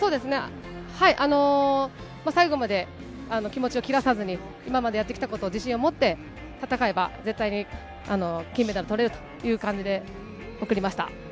最後まで気持ちを切らさずに、今までやってきたことを自信を持って戦えば、絶対に金メダルとれるという感じで送りました。